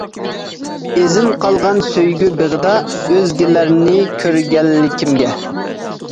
ئىزىم قالغان سۆيگۈ بېغىدا، ئۆزگىلەرنى كۆرگەنلىكىمگە.